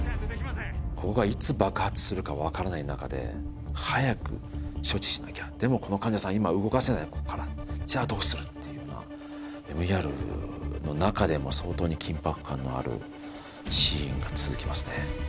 ここがいつ爆発するか分からない中で早く処置しなきゃでもこの患者さん今動かせないここからじゃあどうする？っていうような「ＭＥＲ」の中でも相当に緊迫感のあるシーンが続きますね